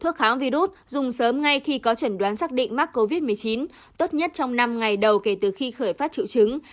thuốc kháng virus dùng sớm ngay khi có chẩn đoán xác định mắc covid một mươi chín tốt nhất trong năm ngày đầu kể từ khi khởi phát triệu chứng